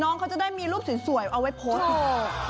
น้องเขาจะได้มีรูปสวยเอาไว้โพสต์